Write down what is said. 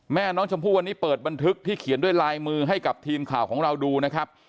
แม่น้องชมพู่วันนี้เปิดบันทึกที่เขียนด้วยลายมือให้กับทีมข่าวของเราดูนะครับ